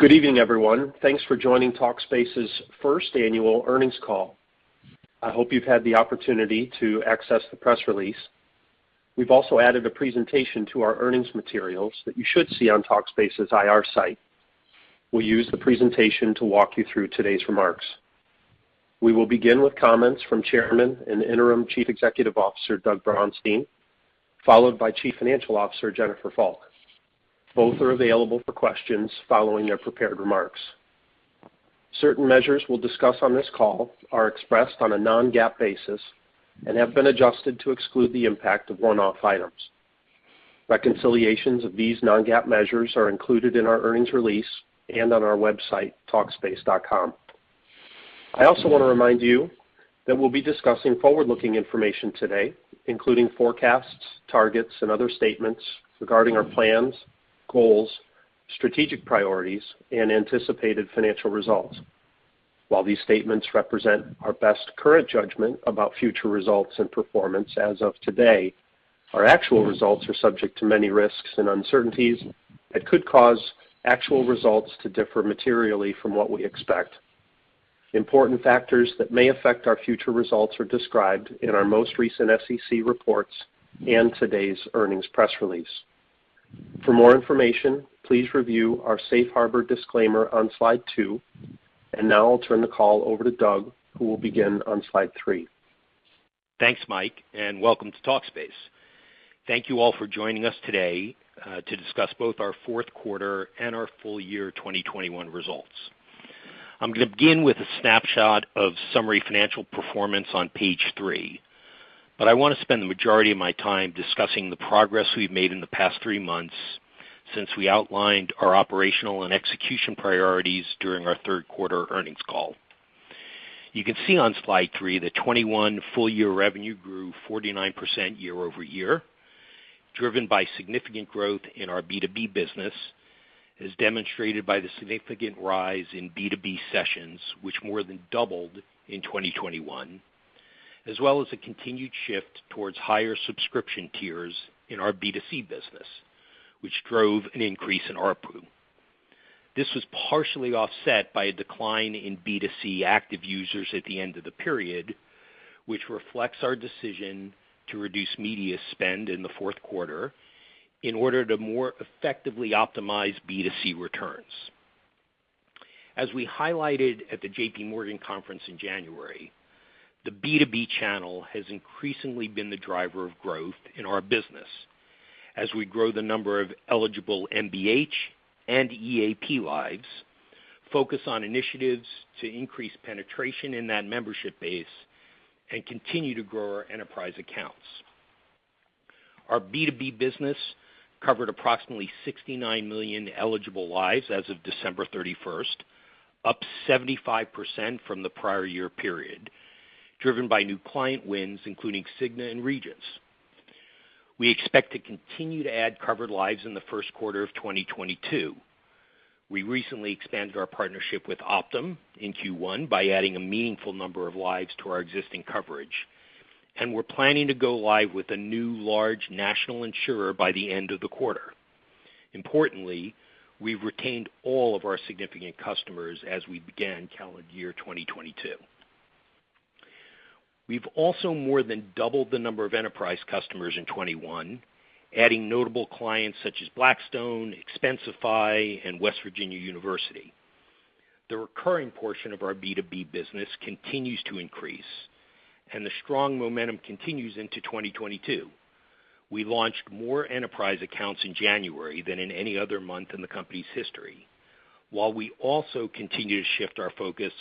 Good evening, everyone. Thanks for joining Talkspace's First Annual Earnings Call. I hope you've had the opportunity to access the press release. We've also added a presentation to our earnings materials that you should see on Talkspace's IR site. We'll use the presentation to walk you through today's remarks. We will begin with comments from Chairman and Interim Chief Executive Officer, Doug Braunstein, followed by Chief Financial Officer, Jennifer Fulk. Both are available for questions following their prepared remarks. Certain measures we'll discuss on this call are expressed on a non-GAAP basis and have been adjusted to exclude the impact of one-off items. Reconciliations of these non-GAAP measures are included in our earnings release and on our website, talkspace.com. I also wanna remind you that we'll be discussing forward-looking information today, including forecasts, targets, and other statements regarding our plans, goals, strategic priorities, and anticipated financial results. While these statements represent our best current judgment about future results and performance as of today, our actual results are subject to many risks and uncertainties that could cause actual results to differ materially from what we expect. Important factors that may affect our future results are described in our most recent SEC reports and today's earnings press release. For more information, please review our safe harbor disclaimer on slide two. Now I'll turn the call over to Doug, who will begin on slide three. Thanks, Mike, and welcome to Talkspace. Thank you all for joining us today to discuss both our fourth quarter and our full year 2021 results. I'm gonna begin with a snapshot of summary financial performance on page three, but I wanna spend the majority of my time discussing the progress we've made in the past three months since we outlined our operational and execution priorities during our third quarter earnings call. You can see on slide three that 2021 full year revenue grew 49% year-over-year, driven by significant growth in our B2B business, as demonstrated by the significant rise in B2B sessions, which more than doubled in 2021, as well as a continued shift towards higher subscription tiers in our B2C business, which drove an increase in ARPU. This was partially offset by a decline in B2C active users at the end of the period, which reflects our decision to reduce media spend in the fourth quarter in order to more effectively optimize B2C returns. As we highlighted at the JPMorgan conference in January, the B2B channel has increasingly been the driver of growth in our business as we grow the number of eligible MBH and EAP lives, focus on initiatives to increase penetration in that membership base, and continue to grow our enterprise accounts. Our B2B business covered approximately 69 million eligible lives as of December 31st, up 75% from the prior year period, driven by new client wins, including Cigna and Regence. We expect to continue to add covered lives in the first quarter of 2022. We recently expanded our partnership with Optum in Q1 by adding a meaningful number of lives to our existing coverage, and we're planning to go live with a new large national insurer by the end of the quarter. Importantly, we've retained all of our significant customers as we began calendar year 2022. We've also more than doubled the number of enterprise customers in 2021, adding notable clients such as Blackstone, Expensify, and West Virginia University. The recurring portion of our B2B business continues to increase, and the strong momentum continues into 2022. We launched more enterprise accounts in January than in any other month in the company's history, while we also continue to shift our focus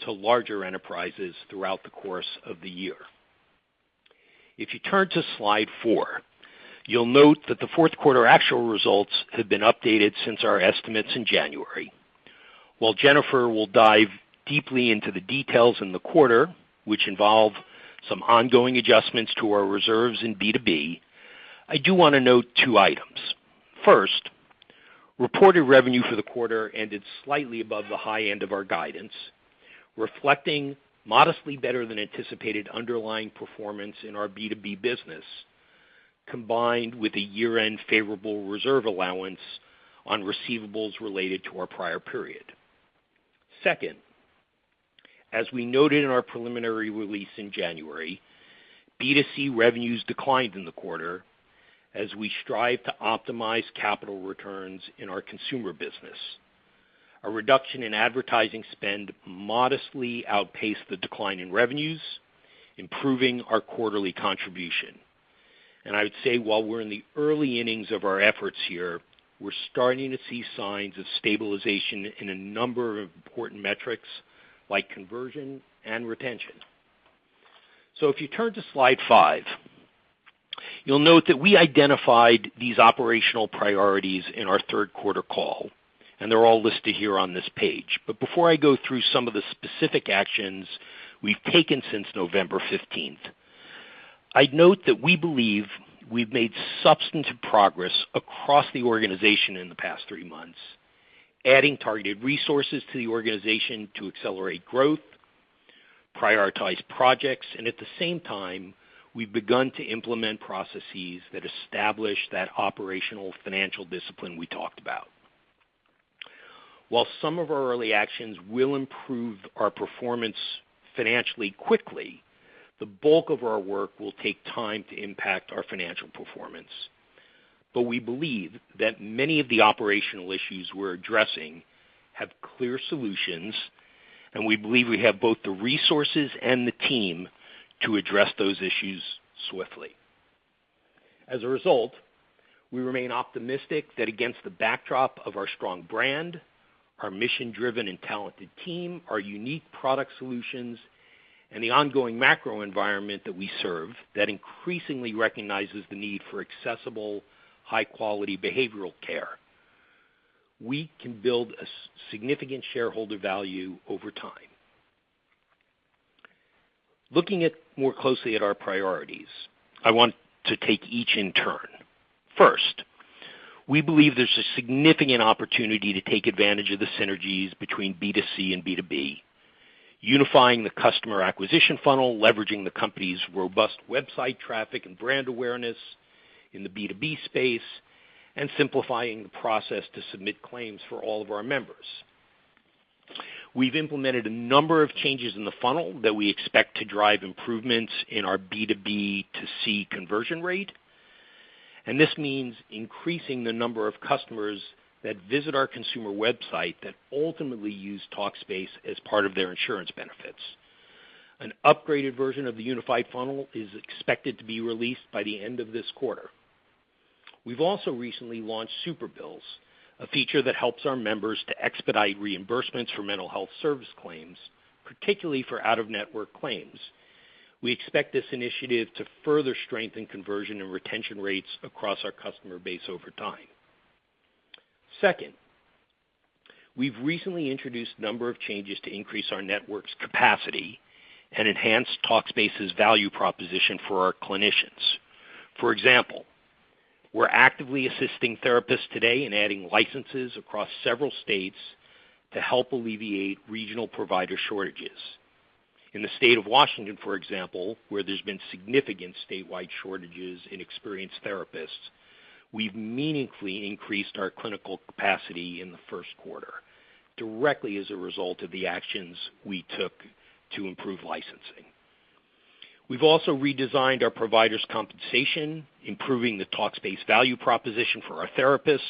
to larger enterprises throughout the course of the year. If you turn to slide four, you'll note that the fourth quarter actual results have been updated since our estimates in January. While Jennifer will dive deeply into the details in the quarter, which involve some ongoing adjustments to our reserves in B2B, I do wanna note two items. First, reported revenue for the quarter ended slightly above the high end of our guidance, reflecting modestly better than anticipated underlying performance in our B2B business, combined with a year-end favorable reserve allowance on receivables related to our prior period. Second, as we noted in our preliminary release in January, B2C revenues declined in the quarter as we strive to optimize capital returns in our consumer business. A reduction in advertising spend modestly outpaced the decline in revenues, improving our quarterly contribution. I would say while we're in the early innings of our efforts here, we're starting to see signs of stabilization in a number of important metrics like conversion and retention. If you turn to slide five, you'll note that we identified these operational priorities in our third quarter call, and they're all listed here on this page. Before I go through some of the specific actions we've taken since November 15th, I'd note that we believe we've made substantive progress across the organization in the past three months, adding targeted resources to the organization to accelerate growth, prioritize projects, and at the same time, we've begun to implement processes that establish that operational financial discipline we talked about. While some of our early actions will improve our performance financially quickly, the bulk of our work will take time to impact our financial performance. We believe that many of the operational issues we're addressing have clear solutions, and we believe we have both the resources and the team to address those issues swiftly. As a result, we remain optimistic that against the backdrop of our strong brand, our mission-driven and talented team, our unique product solutions, and the ongoing macro environment that we serve that increasingly recognizes the need for accessible, high-quality behavioral care, we can build a significant shareholder value over time. Looking more closely at our priorities, I want to take each in turn. First, we believe there's a significant opportunity to take advantage of the synergies between B2C and B2B, unifying the customer acquisition funnel, leveraging the company's robust website traffic and brand awareness in the B2B space, and simplifying the process to submit claims for all of our members. We've implemented a number of changes in the funnel that we expect to drive improvements in our B2B2C conversion rate, and this means increasing the number of customers that visit our consumer website that ultimately use Talkspace as part of their insurance benefits. An upgraded version of the unified funnel is expected to be released by the end of this quarter. We've also recently launched Superbills, a feature that helps our members to expedite reimbursements for mental health service claims, particularly for out-of-network claims. We expect this initiative to further strengthen conversion and retention rates across our customer base over time. Second, we've recently introduced a number of changes to increase our network's capacity and enhance Talkspace's value proposition for our clinicians. For example, we're actively assisting therapists today in adding licenses across several states to help alleviate regional provider shortages. In the state of Washington, for example, where there's been significant statewide shortages in experienced therapists, we've meaningfully increased our clinical capacity in the first quarter directly as a result of the actions we took to improve licensing. We've also redesigned our provider's compensation, improving the Talkspace value proposition for our therapists,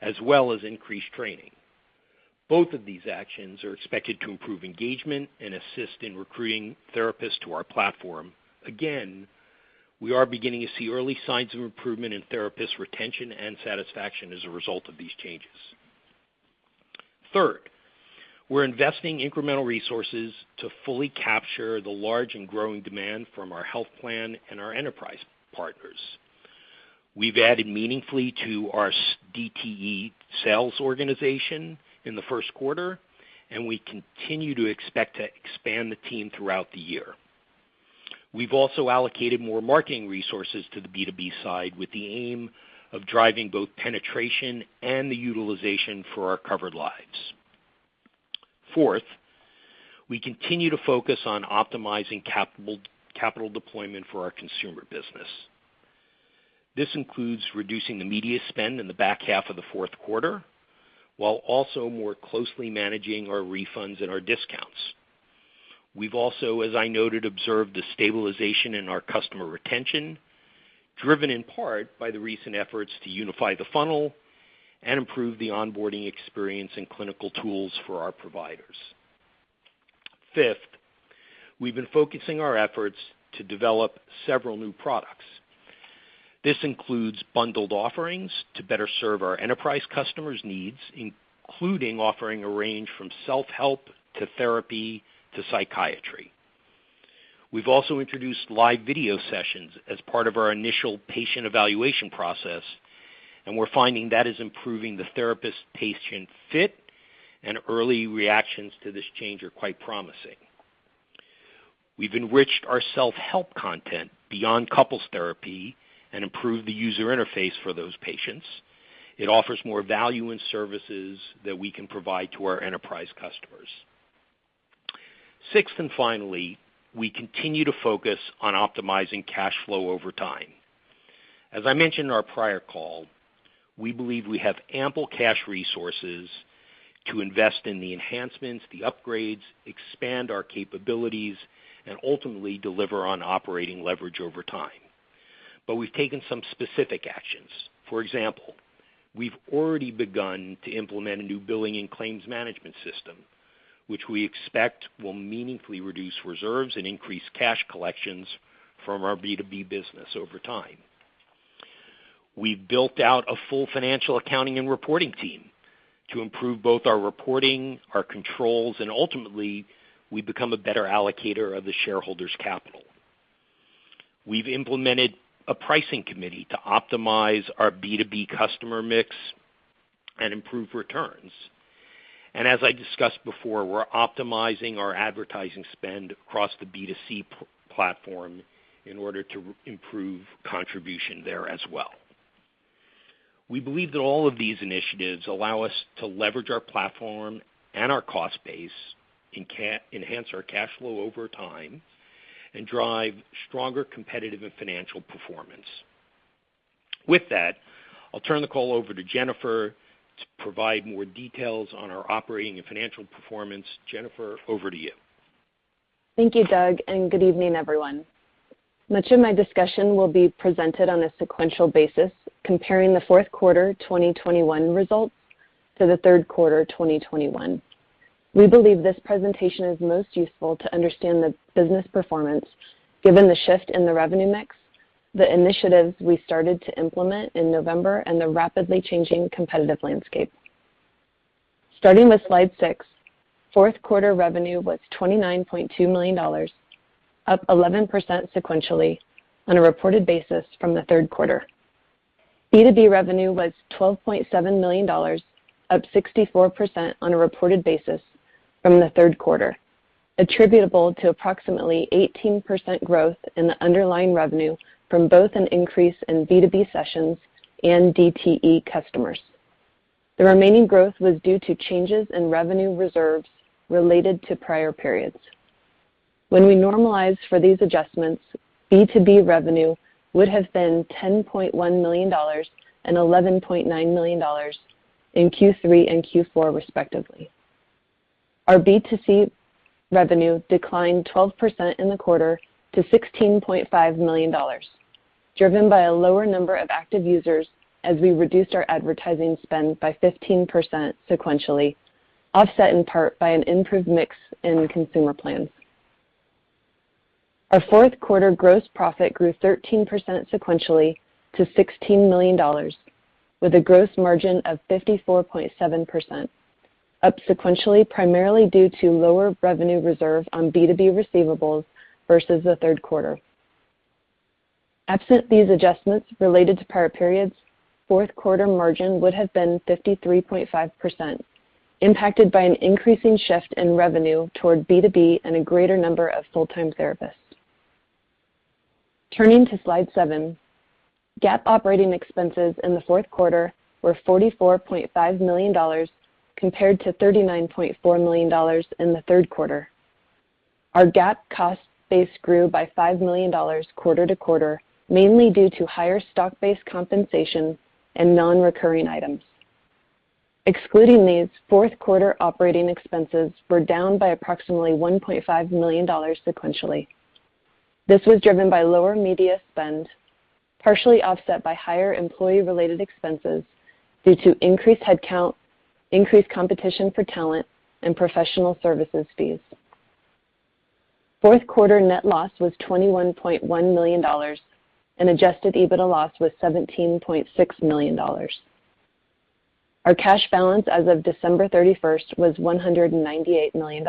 as well as increased training. Both of these actions are expected to improve engagement and assist in recruiting therapists to our platform. Again, we are beginning to see early signs of improvement in therapist retention and satisfaction as a result of these changes. Third, we're investing incremental resources to fully capture the large and growing demand from our health plan and our enterprise partners. We've added meaningfully to our DTE sales organization in the first quarter, and we continue to expect to expand the team throughout the year. We've also allocated more marketing resources to the B2B side with the aim of driving both penetration and the utilization for our covered lives. Fourth, we continue to focus on optimizing capital deployment for our consumer business. This includes reducing the media spend in the back half of the fourth quarter, while also more closely managing our refunds and our discounts. We've also, as I noted, observed the stabilization in our customer retention, driven in part by the recent efforts to unify the funnel and improve the onboarding experience and clinical tools for our providers. Fifth, we've been focusing our efforts to develop several new products. This includes bundled offerings to better serve our enterprise customers' needs, including offering a range from self-help to therapy to psychiatry. We've also introduced live video sessions as part of our initial patient evaluation process, and we're finding that is improving the therapist-patient fit, and early reactions to this change are quite promising. We've enriched our self-help content beyond couples therapy and improved the user interface for those patients. It offers more value in services that we can provide to our enterprise customers. Sixth and finally, we continue to focus on optimizing cash flow over time. As I mentioned in our prior call, we believe we have ample cash resources to invest in the enhancements, the upgrades, expand our capabilities, and ultimately deliver on operating leverage over time. We've taken some specific actions. For example, we've already begun to implement a new billing and claims management system, which we expect will meaningfully reduce reserves and increase cash collections from our B2B business over time. We've built out a full financial accounting and reporting team to improve both our reporting, our controls, and ultimately, we become a better allocator of the shareholders' capital. We've implemented a pricing committee to optimize our B2B customer mix and improve returns. As I discussed before, we're optimizing our advertising spend across the B2C platform in order to improve contribution there as well. We believe that all of these initiatives allow us to leverage our platform and our cost base, enhance our cash flow over time, and drive stronger competitive and financial performance. With that, I'll turn the call over to Jennifer to provide more details on our operating and financial performance. Jennifer, over to you. Thank you, Doug, and good evening, everyone. Much of my discussion will be presented on a sequential basis comparing the fourth quarter 2021 results to the third quarter 2021. We believe this presentation is most useful to understand the business performance given the shift in the revenue mix, the initiatives we started to implement in November, and the rapidly changing competitive landscape. Starting with slide six, fourth quarter revenue was $29.2 million, up 11% sequentially on a reported basis from the third quarter. B2B revenue was $12.7 million, up 64% on a reported basis from the third quarter, attributable to approximately 18% growth in the underlying revenue from both an increase in B2B sessions and DTE customers. The remaining growth was due to changes in revenue reserves related to prior periods. When we normalize for these adjustments, B2B revenue would have been $10.1 million and $11.9 million in Q3 and Q4 respectively. Our B2C revenue declined 12% in the quarter to $16.5 million, driven by a lower number of active users as we reduced our advertising spend by 15% sequentially, offset in part by an improved mix in consumer plans. Our fourth quarter gross profit grew 13% sequentially to $16 million with a gross margin of 54.7%, up sequentially primarily due to lower revenue reserve on B2B receivables versus the third quarter. Absent these adjustments related to prior periods, fourth quarter margin would have been 53.5%, impacted by an increasing shift in revenue toward B2B and a greater number of full-time therapists. Turning to slide seven, GAAP operating expenses in the fourth quarter were $44.5 million compared to $39.4 million in the third quarter. Our GAAP cost base grew by $5 million quarter-to-quarter, mainly due to higher stock-based compensation and non-recurring items. Excluding these, fourth quarter operating expenses were down by approximately $1.5 million sequentially. This was driven by lower media spend, partially offset by higher employee-related expenses due to increased headcount, increased competition for talent, and professional services fees. Fourth quarter net loss was $21.1 million, and adjusted EBITDA loss was $17.6 million. Our cash balance as of December 31st was $198 million.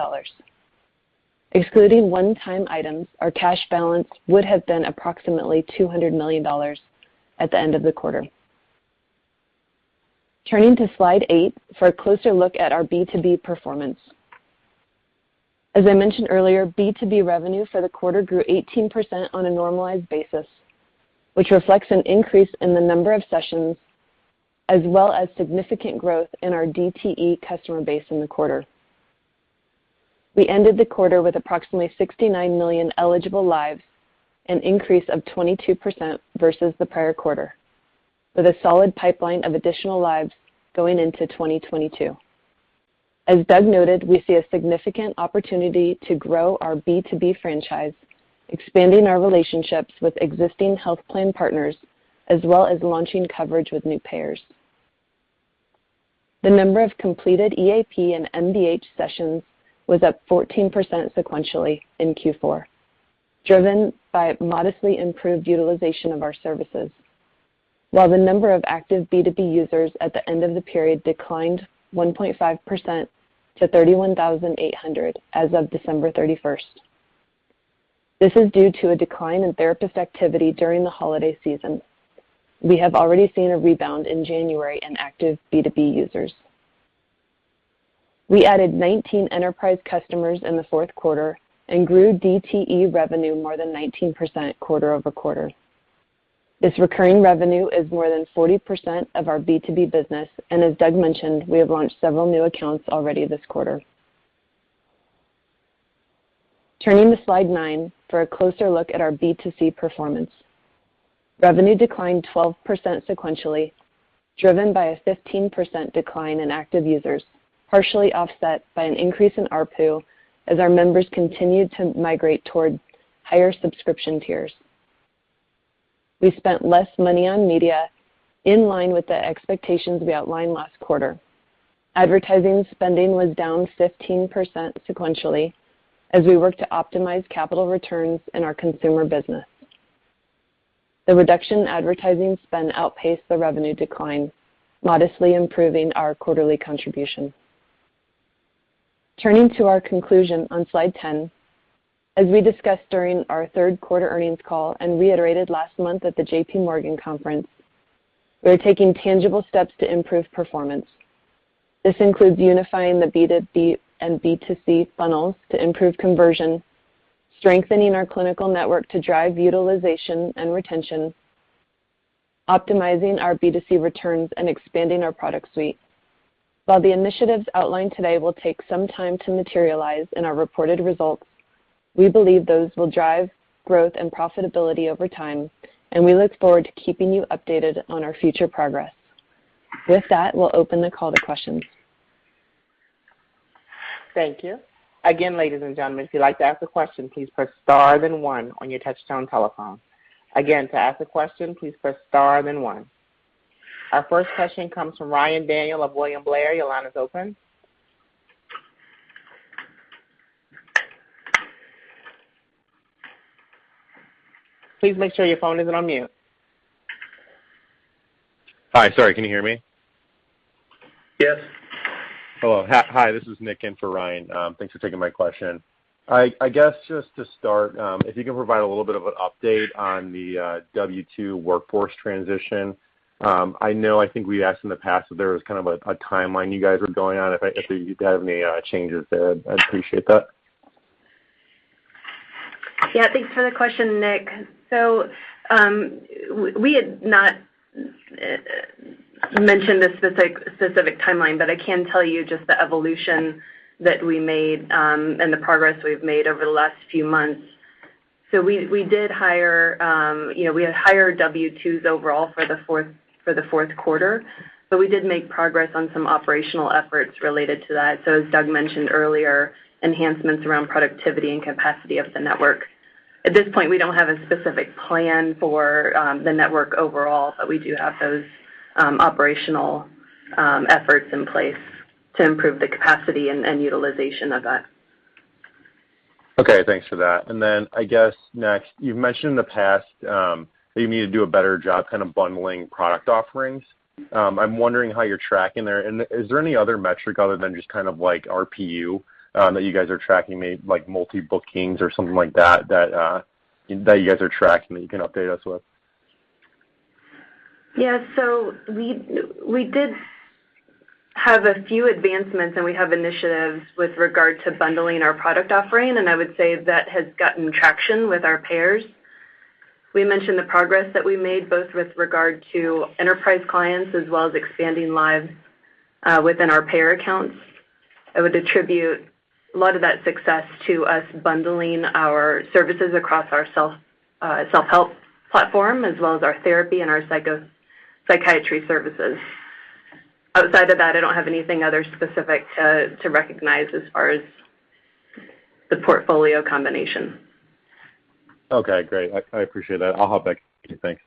Excluding one-time items, our cash balance would have been approximately $200 million at the end of the quarter. Turning to slide eight for a closer look at our B2B performance. As I mentioned earlier, B2B revenue for the quarter grew 18% on a normalized basis, which reflects an increase in the number of sessions as well as significant growth in our DTE customer base in the quarter. We ended the quarter with approximately 69 million eligible lives, an increase of 22% versus the prior quarter, with a solid pipeline of additional lives going into 2022. As Doug noted, we see a significant opportunity to grow our B2B franchise, expanding our relationships with existing health plan partners, as well as launching coverage with new payers. The number of completed EAP and MBH sessions was up 14% sequentially in Q4, driven by modestly improved utilization of our services. While the number of active B2B users at the end of the period declined 1.5% to 31,800 as of December 31st. This is due to a decline in therapist activity during the holiday season. We have already seen a rebound in January in active B2B users. We added 19 enterprise customers in the fourth quarter and grew DTE revenue more than 19% quarter-over-quarter. This recurring revenue is more than 40% of our B2B business, and as Doug mentioned, we have launched several new accounts already this quarter. Turning to slide nine for a closer look at our B2C performance. Revenue declined 12% sequentially, driven by a 15% decline in active users, partially offset by an increase in ARPU as our members continued to migrate toward higher subscription tiers. We spent less money on media in line with the expectations we outlined last quarter. Advertising spending was down 15% sequentially as we work to optimize capital returns in our consumer business. The reduction in advertising spend outpaced the revenue decline, modestly improving our quarterly contribution. Turning to our conclusion on slide 10. As we discussed during our third quarter earnings call and reiterated last month at the JPMorgan conference, we are taking tangible steps to improve performance. This includes unifying the B2B and B2C funnels to improve conversion, strengthening our clinical network to drive utilization and retention, optimizing our B2C returns, and expanding our product suite. While the initiatives outlined today will take some time to materialize in our reported results, we believe those will drive growth and profitability over time, and we look forward to keeping you updated on our future progress. With that, we'll open the call to questions. Thank you. Again, ladies and gentlemen, if you'd like to ask a question, please press star then one on your touchtone telephone. Again, to ask a question, please press star then one. Our first question comes from Ryan Daniels of William Blair. Your line is open. Please make sure your phone isn't on mute. Hi. Sorry. Can you hear me? Yes. Hello. Hi, this is Nick in for Ryan. Thanks for taking my question. I guess just to start, if you can provide a little bit of an update on the W-2 workforce transition. I know I think we asked in the past if there was kind of a timeline you guys were going on. If you do have any changes there, I'd appreciate that. Yeah. Thanks for the question, Nick. We had not mentioned the specific timeline, but I can tell you just the evolution that we made and the progress we've made over the last few months. We did hire, you know, we had hired W-2 overall for the fourth quarter, but we did make progress on some operational efforts related to that, as Doug mentioned earlier, enhancements around productivity and capacity of the network. At this point, we don't have a specific plan for the network overall, but we do have those operational efforts in place to improve the capacity and utilization of that. Okay. Thanks for that. I guess next, you've mentioned in the past that you need to do a better job kind of bundling product offerings. I'm wondering how you're tracking there. Is there any other metric other than just kind of like RPU that you guys are tracking, maybe like multi-bookings or something like that you guys are tracking that you can update us with? Yeah. We did have a few advancements, and we have initiatives with regard to bundling our product offering, and I would say that has gotten traction with our payers. We mentioned the progress that we made both with regard to enterprise clients as well as expanding lives within our payer accounts. I would attribute a lot of that success to us bundling our services across self-help platform as well as our therapy and our psychiatry services. Outside of that, I don't have anything other specific to recognize as far as the portfolio combination. Okay, great. I appreciate that. I'll hop back. Thanks.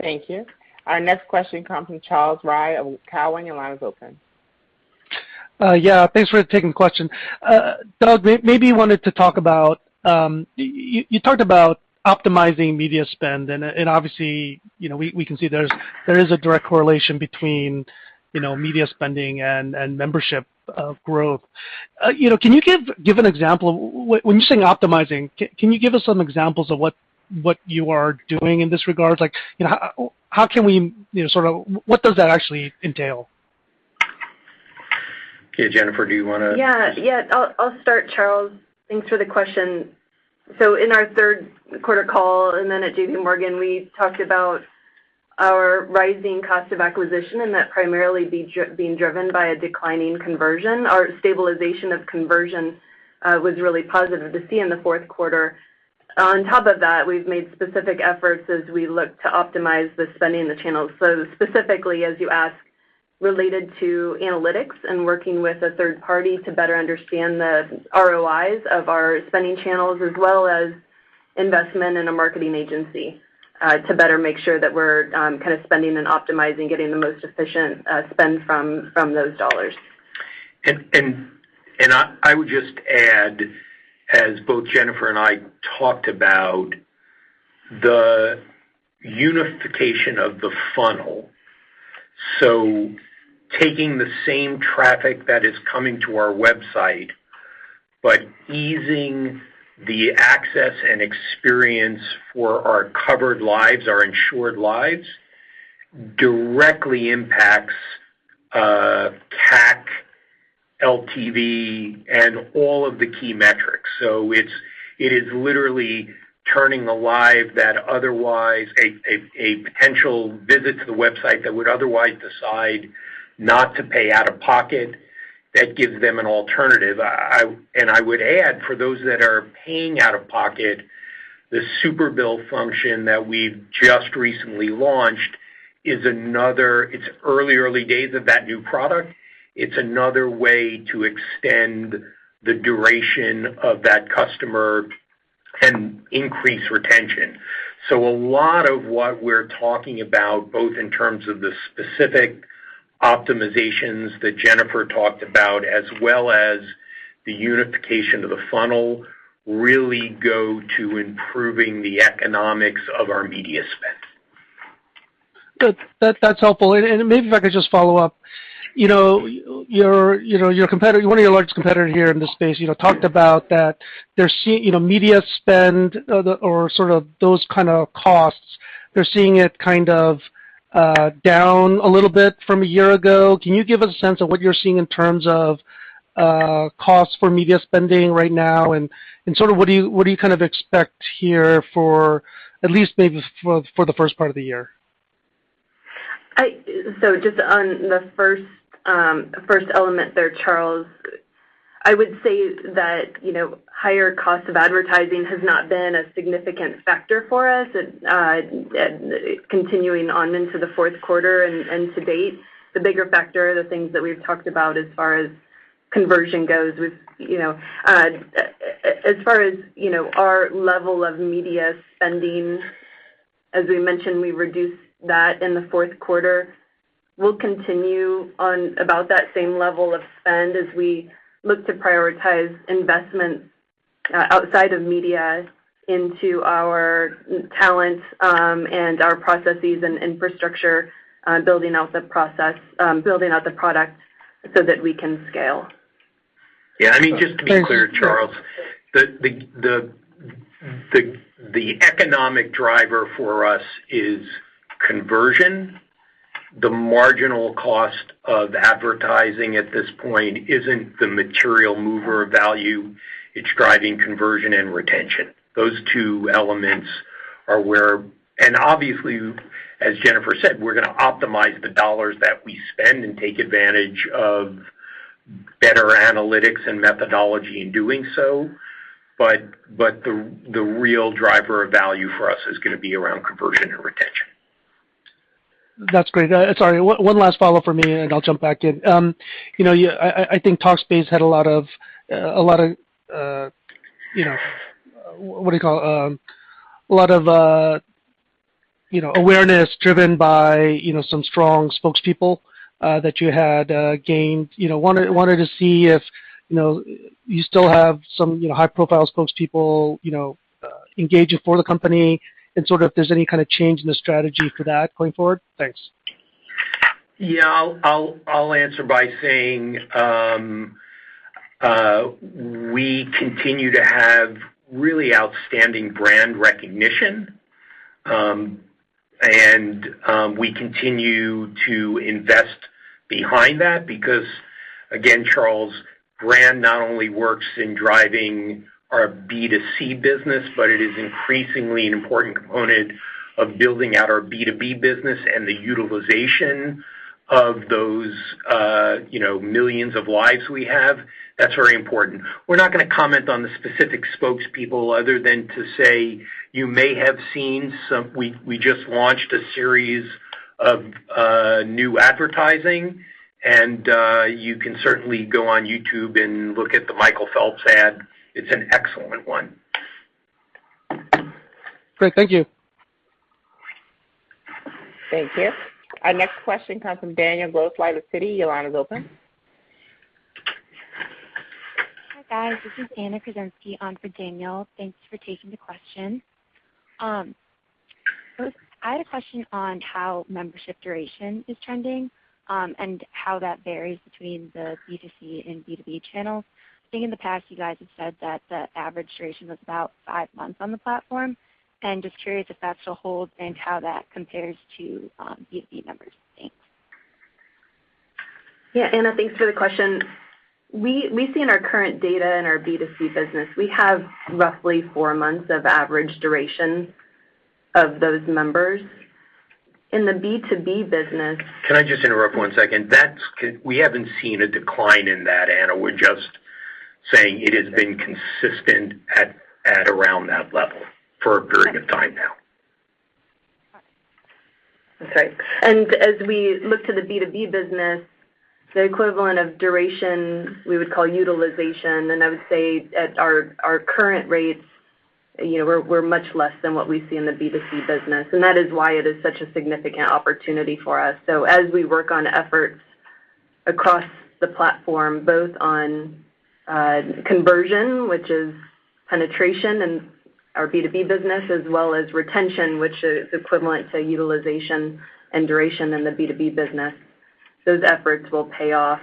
Thank you. Our next question comes from Charles Rhyee of Cowen. Your line is open. Yeah. Thanks for taking the question. Doug, you talked about optimizing media spend, and obviously, you know, we can see there is a direct correlation between, you know, media spending and membership growth. You know, can you give an example of when you're saying optimizing. Can you give us some examples of what you are doing in this regard? Like, you know, how can we, you know, sort of what does that actually entail? Okay. Jennifer, do you wanna- Yeah. I'll start, Charles. Thanks for the question. In our third quarter call and then at JPMorgan, we talked about our rising cost of acquisition, and that primarily being driven by a declining conversion. Our stabilization of conversion was really positive to see in the fourth quarter. On top of that, we've made specific efforts as we look to optimize the spending in the channels. Specifically, as you ask, related to analytics and working with a third party to better understand the ROIs of our spending channels, as well as investment in a marketing agency to better make sure that we're kinda spending and optimizing, getting the most efficient spend from those dollars. I would just add, as both Jennifer and I talked about the unification of the funnel. Taking the same traffic that is coming to our website, but easing the access and experience for our covered lives, our insured lives, directly impacts CAC, LTV, and all of the key metrics. It is literally turning a lead that otherwise a potential visit to the website that would otherwise decide not to pay out of pocket, that gives them an alternative. I would add for those that are paying out of pocket, the Superbill function that we've just recently launched is another. It is early days of that new product. It is another way to extend the duration of that customer and increase retention. A lot of what we're talking about, both in terms of the specific optimizations that Jennifer talked about as well as the unification of the funnel, really go to improving the economics of our media spend. Good. That's helpful. Maybe if I could just follow up. You know, your competitor, one of your largest competitor here in this space, you know, talked about that they're seeing you know, media spend or sort of those kind of costs. They're seeing it kind of down a little bit from a year ago. Can you give us a sense of what you're seeing in terms of costs for media spending right now and sort of what do you kind of expect here for at least maybe for the first part of the year? Just on the first element there, Charles, I would say that, you know, higher cost of advertising has not been a significant factor for us. It, continuing on into the fourth quarter and to date, the bigger factor are the things that we've talked about as far as conversion goes with, you know. As far as, you know, our level of media spending, as we mentioned, we reduced that in the fourth quarter. We'll continue on about that same level of spend as we look to prioritize investment, outside of media into our talent, and our processes and infrastructure, building out the process, building out the product so that we can scale. Yeah. I mean, just to be clear, Charles, the economic driver for us is conversion. The marginal cost of advertising at this point isn't the material mover of value. It's driving conversion and retention. Those two elements are where. Obviously, as Jennifer said, we're gonna optimize the dollars that we spend and take advantage of better analytics and methodology in doing so, but the real driver of value for us is gonna be around conversion and retention. That's great. Sorry, one last follow-up from me, and then I'll jump back in. You know, I think Talkspace had a lot of, you know, what do you call it? A lot of, you know, awareness driven by, you know, some strong spokespeople that you had gained. You know, I wanted to see if, you know, you still have some, you know, high-profile spokespeople, you know, engaging for the company and sort of if there's any kind of change in the strategy for that going forward. Thanks. Yeah, I'll answer by saying we continue to have really outstanding brand recognition. We continue to invest behind that because, again, Charles, brand not only works in driving our B2C business, but it is increasingly an important component of building out our B2B business and the utilization of those, you know, millions of lives we have. That's very important. We're not gonna comment on the specific spokespeople other than to say you may have seen some. We just launched a series of new advertising, and you can certainly go on YouTube and look at the Michael Phelps' ad. It's an excellent one. Great. Thank you. Thank you. Our next question comes from Daniel Grosslight of Citi. Your line is open. Hi, guys. This is Anna Krasinski on for Daniel. Thanks for taking the question. First, I had a question on how membership duration is trending, and how that varies between the B2C and B2B channels. I think in the past you guys have said that the average duration was about five months on the platform, and just curious if that still holds and how that compares to B2B members. Thanks. Yeah, Anna, thanks for the question. We see in our current data in our B2C business, we have roughly four months of average duration of those members. In the B2B business- Can I just interrupt one second? We haven't seen a decline in that, Anna. We're just saying it has been consistent at around that level for a period of time now. Okay. As we look to the B2B business, the equivalent of duration we would call utilization. I would say at our current rates, you know, we're much less than what we see in the B2C business, and that is why it is such a significant opportunity for us. As we work on efforts across the platform, both on conversion, which is penetration in our B2B business, as well as retention, which is equivalent to utilization and duration in the B2B business, those efforts will pay off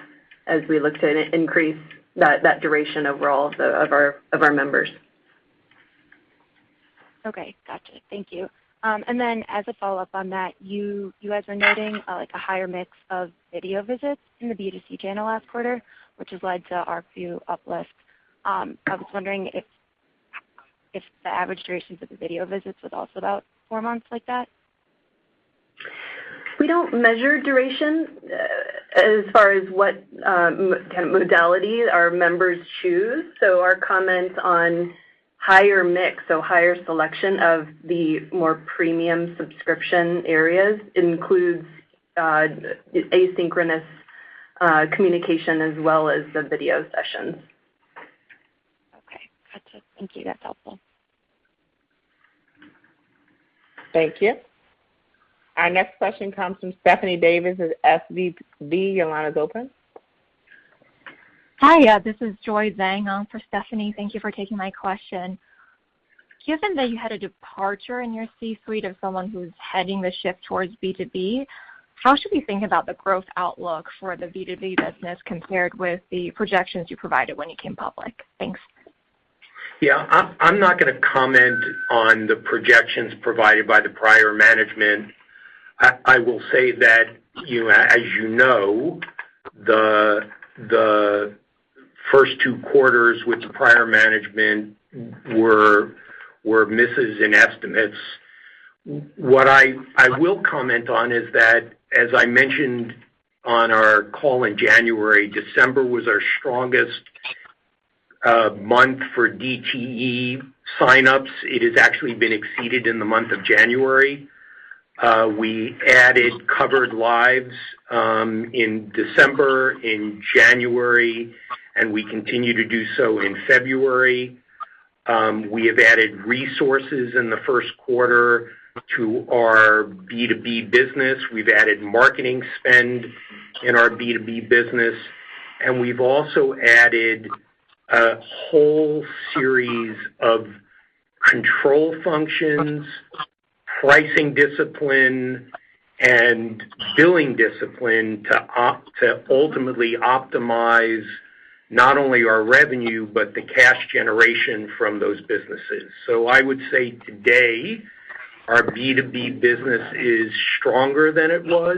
as we look to increase that duration overall of our members. Okay. Gotcha. Thank you. As a follow-up on that, you guys were noting like a higher mix of video visits in the B2C channel last quarter, which has led to ARPU uplifts. I was wondering if the average durations of the video visits was also about four months like that? We don't measure duration as far as what kind of modality our members choose. Our comments on higher mix or higher selection of the more premium subscription areas includes asynchronous communication as well as the video sessions. Okay. Gotcha. Thank you. That's helpful. Thank you. Our next question comes from Stephanie Davis at SVB. Your line is open. Hi, this is Joy Zhang on for Stephanie. Thank you for taking my question. Given that you had a departure in your C-suite of someone who's heading the ship towards B2B, how should we think about the growth outlook for the B2B business compared with the projections you provided when you came public? Thanks. Yeah, I'm not gonna comment on the projections provided by the prior management. I will say that, you know, the first two quarters with the prior management were misses in estimates. What I will comment on is that, as I mentioned on our call in January, December was our strongest month for DTE sign-ups. It has actually been exceeded in the month of January. We added covered lives in December, in January, and we continue to do so in February. We have added resources in the first quarter to our B2B business. We've added marketing spend in our B2B business, and we've also added a whole series of control functions, pricing discipline, and billing discipline to ultimately optimize not only our revenue, but the cash generation from those businesses. I would say today, our B2B business is stronger than it was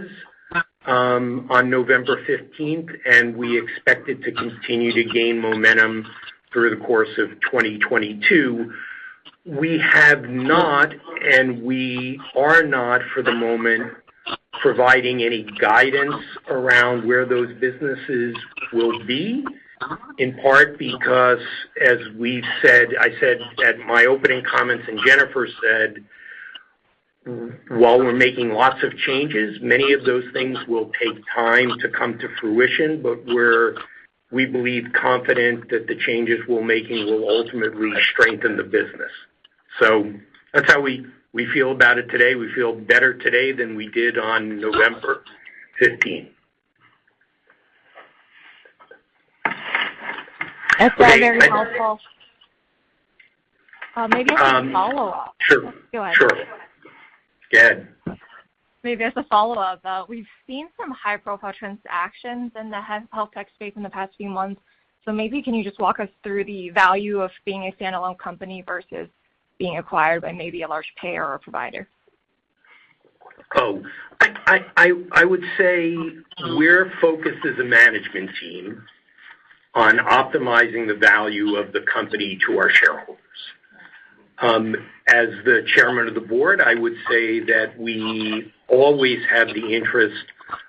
on November 15th, and we expect it to continue to gain momentum through the course of 2022. We have not, and we are not for the moment, providing any guidance around where those businesses will be, in part because as we said, I said at my opening comments and Jennifer said, while we're making lots of changes, many of those things will take time to come to fruition. We're, we believe, confident that the changes we're making will ultimately strengthen the business. That's how we feel about it today. We feel better today than we did on November 15. That's very, very helpful. Maybe I have a follow-up. Sure. Sure. Go ahead. Maybe as a follow-up, we've seen some high-profile transactions in the health tech space in the past few months. Maybe can you just walk us through the value of being a standalone company versus being acquired by maybe a large payer or provider? I would say we're focused as a management team on optimizing the value of the company to our shareholders. As the Chairman of the board, I would say that we always have the interest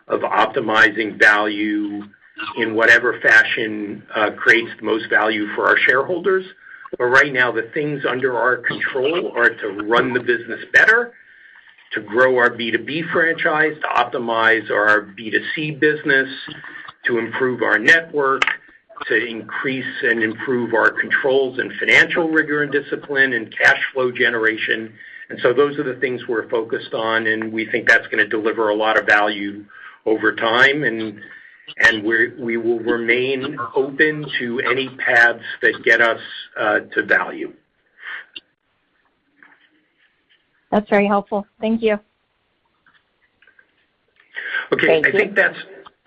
of optimizing value in whatever fashion creates the most value for our shareholders. Right now, the things under our control are to run the business better, to grow our B2B franchise, to optimize our B2C business, to improve our network, to increase and improve our controls and financial rigor and discipline and cash flow generation. Those are the things we're focused on, and we think that's gonna deliver a lot of value over time, and we will remain open to any paths that get us to value. That's very helpful. Thank you. Okay. Thank you. I think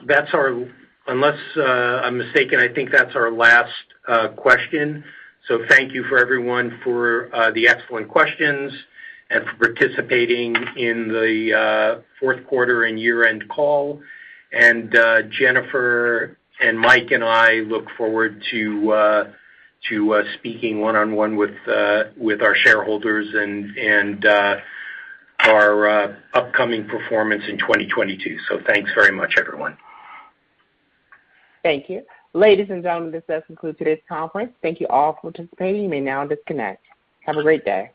that's our. Unless I'm mistaken, I think that's our last question. Thank you, everyone, for the excellent questions and for participating in the fourth quarter and year-end call. Jennifer and Mike and I look forward to speaking one-on-one with our shareholders and our upcoming performance in 2022. Thanks very much, everyone. Thank you. Ladies and gentlemen, this does conclude today's conference. Thank you all for participating. You may now disconnect. Have a great day.